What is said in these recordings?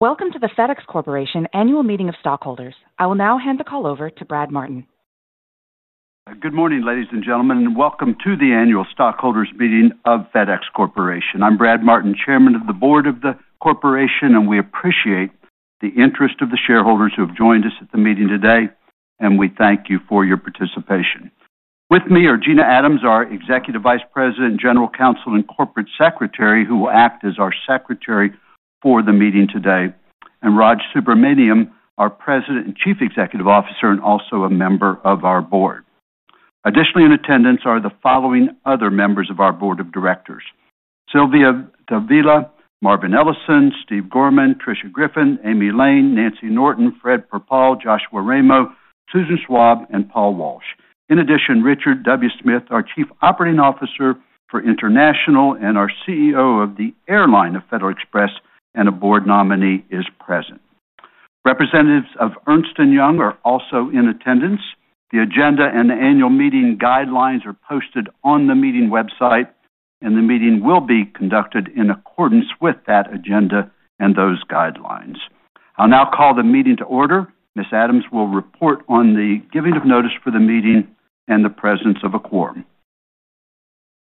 Welcome to the FedEx Corporation Annual Meeting of Stockholders. I will now hand the call over to Brad Martin. Good morning, ladies and gentlemen, and welcome to the annual stockholders' meeting of FedEx Corporation. I'm Brad Martin, Chairman of the Board of the Corporation, and we appreciate the interest of the shareholders who have joined us at the meeting today, and we thank you for your participation. With me are Gina Adams, our Executive Vice President, General Counsel, and Corporate Secretary, who will act as our Secretary for the meeting today, and Raj Subramaniam, our President and Chief Executive Officer, and also a member of our Board. Additionally, in attendance are the following other members of our Board of Directors: Silvia Davila, Marvin Ellison, Steve Gorman, Tricia Griffith, Amy Lane, Nancy Norton, Fred Perpall, Joshua Ramo, Susan Schwab, and Paul Walsh. In addition, Richard W. Smith, our Chief Operating Officer for International and our CEO of the airline of Federal Express, and a Board nominee, is present. Representatives of Ernst & Young are also in attendance. The agenda and the annual meeting guidelines are posted on the meeting website, and the meeting will be conducted in accordance with that agenda and those guidelines. I'll now call the meeting to order. Ms. Adams will report on the giving of notice for the meeting and the presence of a quorum.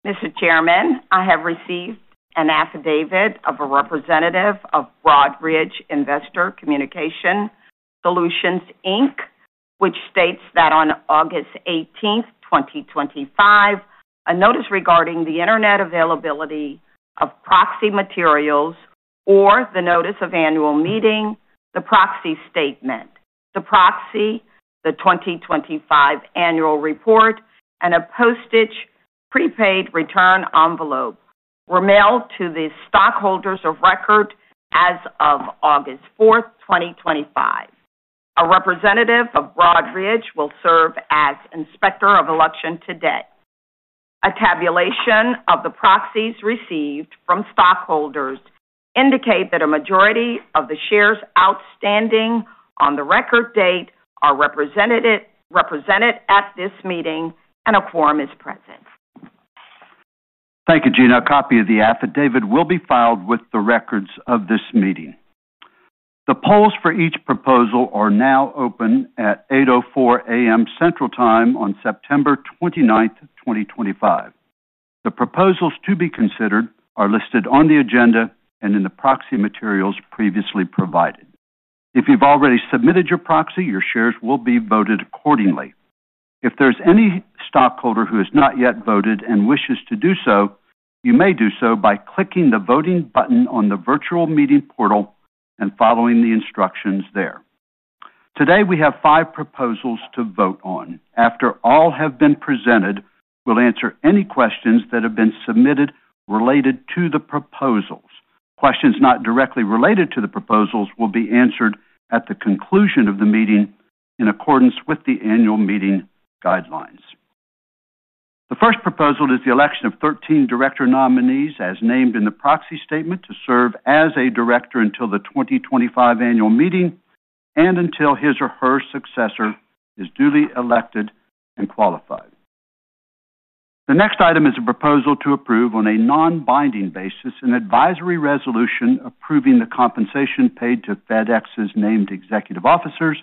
Mr. Chairman, I have received an affidavit of a representative of Broadridge Investor Communication Solutions, Inc., which states that on August 18th, 2025, a notice regarding the internet availability of proxy materials or the notice of annual meeting, the proxy statement, the proxy, the 2025 annual report, and a postage prepaid return envelope were mailed to the stockholders of record as of August 4th, 2025. A representative of Broadridge will serve as inspector of election today. A tabulation of the proxies received from stockholders indicates that a majority of the shares outstanding on the record date are represented at this meeting, and a quorum is present. Thank you, Gina. A copy of the affidavit will be filed with the records of this meeting. The polls for each proposal are now open at 8:04 A.M. Central Time on September 29th, 2025. The proposals to be considered are listed on the agenda and in the proxy materials previously provided. If you've already submitted your proxy, your shares will be voted accordingly. If there's any stockholder who has not yet voted and wishes to do so, you may do so by clicking the voting button on the virtual meeting portal and following the instructions there. Today, we have five proposals to vote on. After all have been presented, we'll answer any questions that have been submitted related to the proposals. Questions not directly related to the proposals will be answered at the conclusion of the meeting in accordance with the annual meeting guidelines. The first proposal is the election of 13 director nominees, as named in the proxy statement, to serve as a director until the 2025 annual meeting and until his or her successor is duly elected and qualified. The next item is a proposal to approve on a non-binding basis an advisory resolution approving the compensation paid to FedEx's named executive officers,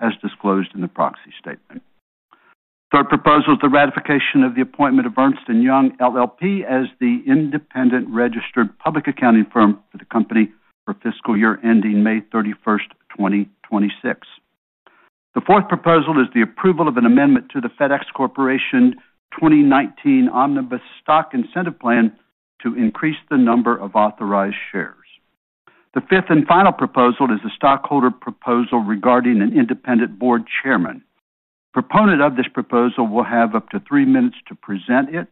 as disclosed in the proxy statement. The third proposal is the ratification of the appointment of Ernst & Young as the independent registered public accounting firm for the company for fiscal year ending May 31th, 2026. The fourth proposal is the approval of an amendment to the FedEx Corporation 2019 Omnibus Stock Incentive Plan to increase the number of authorized shares. The fifth and final proposal is a stockholder proposal regarding an independent board chairman. The proponent of this proposal will have up to three minutes to present it.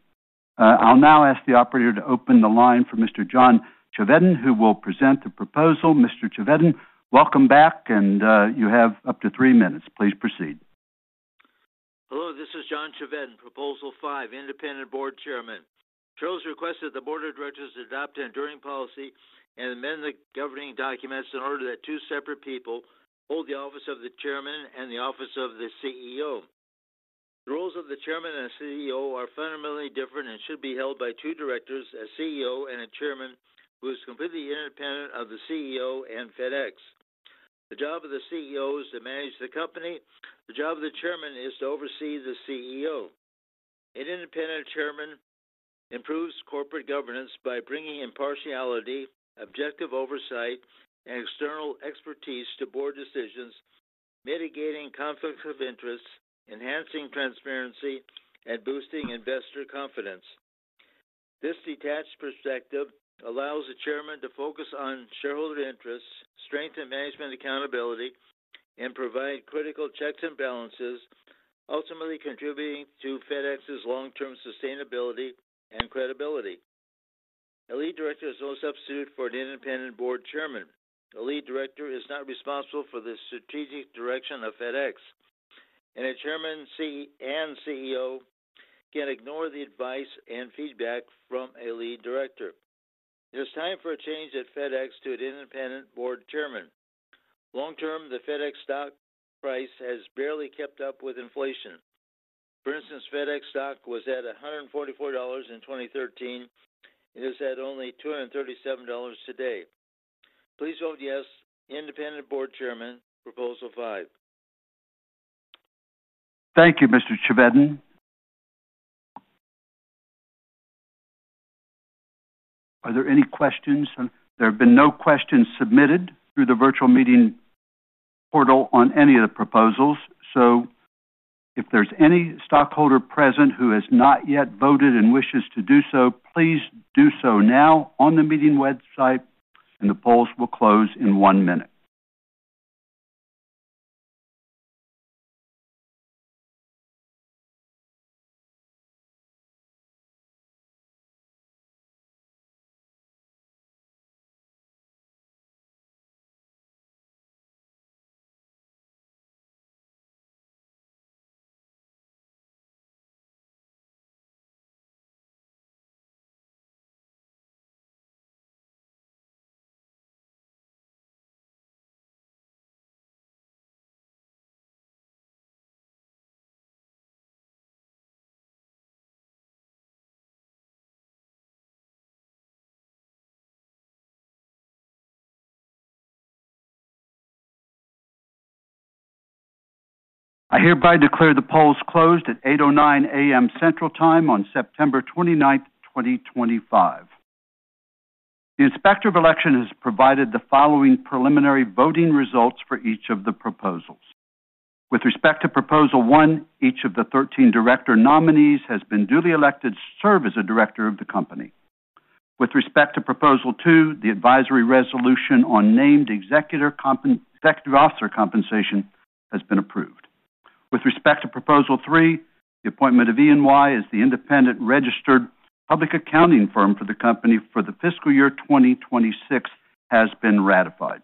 I'll now ask the operator to open the line for Mr. John Chevedden, who will present the proposal. Mr. Chevedden, welcome back, and you have up to three minutes. Please proceed. Hello, this is John Chauvette, Proposal 5, independent board chairman. Shows request that the Board of Directors adopt enduring policy and amend the governing documents in order that two separate people hold the office of the Chairman and the office of the CEO. The roles of the Chairman and CEO are fundamentally different and should be held by two directors, a CEO and a Chairman, who is completely independent of the CEO and FedEx. The job of the CEO is to manage the company. The job of the Chairman is to oversee the CEO. An independent Chairman improves corporate governance by bringing impartiality, objective oversight, and external expertise to board decisions, mitigating conflicts of interest, enhancing transparency, and boosting investor confidence. This detached perspective allows the Chairman to focus on shareholder interests, strengthen management accountability, and provide critical checks and balances, ultimately contributing to FedEx's long-term sustainability and credibility. A lead director is no substitute for an independent board chairman. A lead director is not responsible for the strategic direction of FedEx, and a Chairman and CEO can't ignore the advice and feedback from a lead director. There's time for a change at FedEx to an independent board chairman. Long-term, the FedEx stock price has barely kept up with inflation. For instance, FedEx stock was at $144 in 2013 and is at only $237 today. Please vote yes, independent board chairman, Proposal 5. Thank you, Mr. Chevedden. Are there any questions? There have been no questions submitted through the virtual meeting portal on any of the proposals. If there's any stockholder present who has not yet voted and wishes to do so, please do so now on the meeting website, and the polls will close in one minute. I hereby declare the polls closed at 8:09 A.M. Central Time on September 29th, 2025. The inspector of election has provided the following preliminary voting results for each of the proposals. With respect to Proposal 1, each of the 13 director nominees has been duly elected to serve as a director of the company. With respect to Proposal 2, the advisory resolution on named executive officer compensation has been approved. With respect to Proposal 3, the appointment of Ernst & Young as the independent registered public accounting firm for the company for the fiscal year 2026 has been ratified.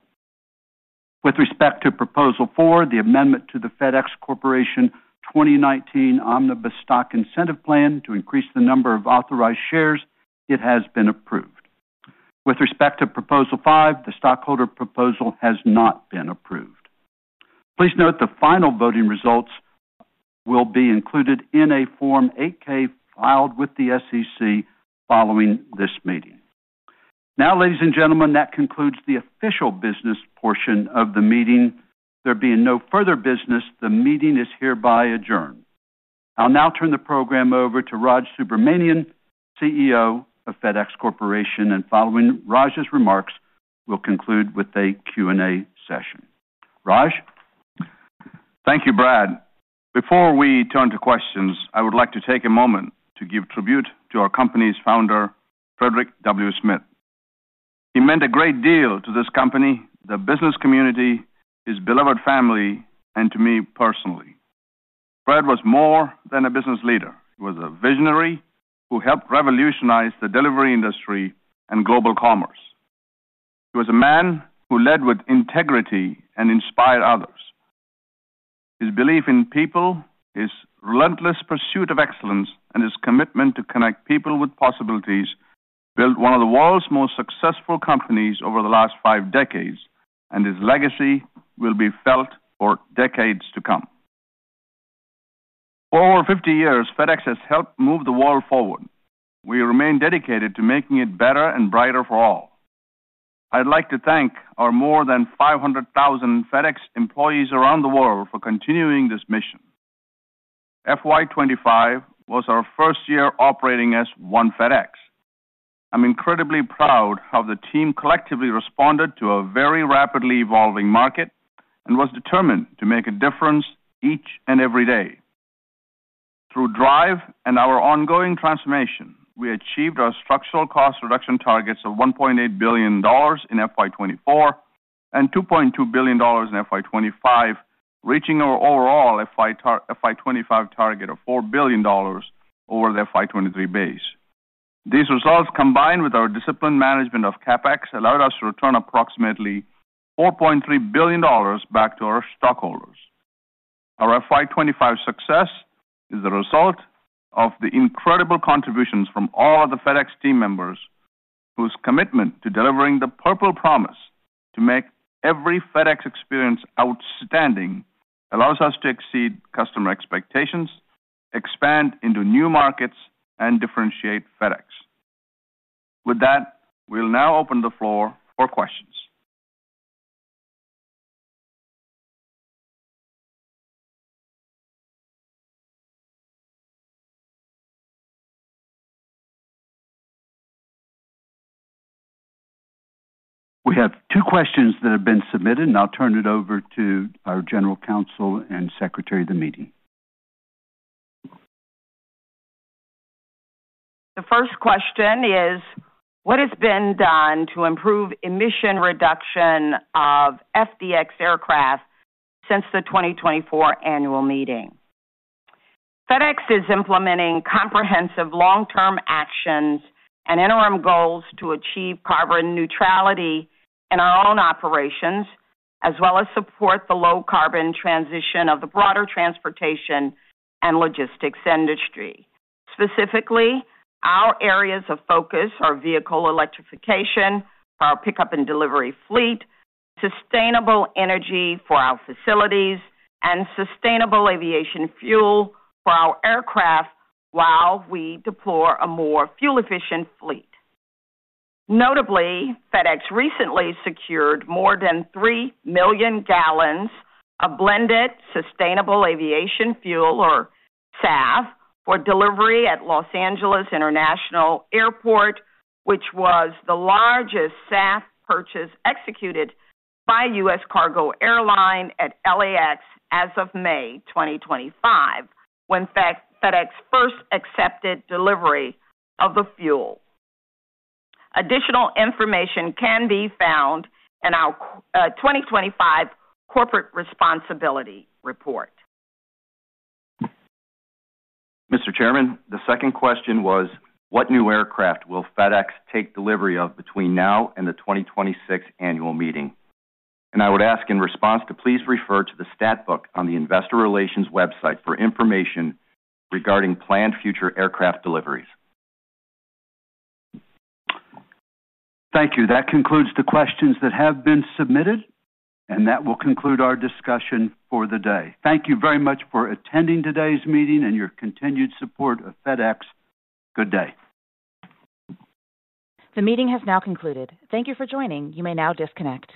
With respect to Proposal 4, the amendment to the FedEx Corporation 2019 Omnibus Stock Incentive Plan to increase the number of authorized shares has been approved. With respect to Proposal 5, the stockholder proposal has not been approved. Please note the final voting results will be included in a Form 8-K filed with the SEC following this meeting. Now, ladies and gentlemen, that concludes the official business portion of the meeting. There being no further business, the meeting is hereby adjourned. I'll now turn the program over to Raj Subramaniam, CEO of FedEx Corporation, and following Raj's remarks, we'll conclude with a Q&A session. Raj? Thank you, Brad. Before we turn to questions, I would like to take a moment to give tribute to our company's founder, Frederick W. Smith. He meant a great deal to this company, the business community, his beloved family, and to me personally. Fred was more than a business leader, he was a visionary who helped revolutionize the delivery industry and global commerce. He was a man who led with integrity and inspired others. His belief in people, his relentless pursuit of excellence, and his commitment to connect people with possibilities built one of the world's most successful companies over the last five decades, and his legacy will be felt for decades to come. For over 50 years, FedEx has helped move the world forward. We remain dedicated to making it better and brighter for all. I'd like to thank our more than 500,000 FedEx employees around the world for continuing this mission. FY 2025 was our first year operating as One FedEx. I'm incredibly proud of how the team collectively responded to a very rapidly evolving market and was determined to make a difference each and every day. Through DRIVE and our ongoing transformation, we achieved our structural cost reduction targets of $1.8 billion in FY 2024 and $2.2 billion in FY 2025, reaching our overall FY 2025 target of $4 billion over the FY 2023 base. These results, combined with our disciplined management of CapEx, allowed us to return approximately $4.3 billion back to our stockholders. Our FY 2025 success is the result of the incredible contributions from all of the FedEx team members, whose commitment to delivering the purple promise to make every FedEx experience outstanding allows us to exceed customer expectations, expand into new markets, and differentiate FedEx. With that, we'll now open the floor for questions. We have two questions that have been submitted. I'll turn it over to our General Counsel and Secretary of the Meeting. The first question is, what has been done to improve emission reduction of FedEx aircraft since the 2024 annual meeting? FedEx is implementing comprehensive long-term actions and interim goals to achieve carbon neutrality in our own operations, as well as support the low-carbon transition of the broader transportation and logistics industry. Specifically, our areas of focus are vehicle electrification for our pickup and delivery fleet, sustainable energy for our facilities, and sustainable aviation fuel for our aircraft while we deploy a more fuel-efficient fleet. Notably, FedEx recently secured more than 3 million gal of blended sustainable aviation fuel, or SAF, for delivery at Los Angeles International Airport, which was the largest SAF purchase executed by a U.S. cargo airline at LAX as of May 2025, when FedEx first accepted delivery of the fuel. Additional information can be found in our 2025 Corporate Responsibility Report. Mr. Chairman, the second question was, what new aircraft will FedEx take delivery of between now and the 2026 annual meeting? I would ask in response to please refer to the stat book on the Investor Relations website for information regarding planned future aircraft deliveries. Thank you. That concludes the questions that have been submitted, and that will conclude our discussion for the day. Thank you very much for attending today's meeting and your continued support of FedEx. Good day. The meeting has now concluded. Thank you for joining. You may now disconnect.